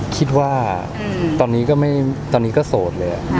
คิดว่าตอนนี้ก็โสดเลย